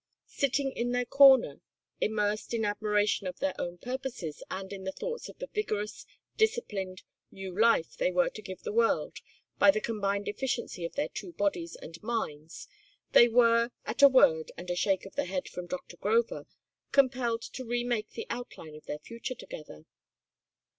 Sitting in their corner immersed in admiration of their own purposes and in the thoughts of the vigorous, disciplined, new life they were to give the world by the combined efficiency of their two bodies and minds they were, at a word and a shake of the head from Doctor Grover, compelled to remake the outline of their future together.